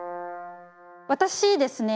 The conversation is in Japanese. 私ですね